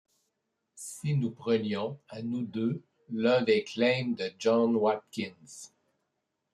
Si nous prenions, à nous deux, l’un des claims de John Watkins?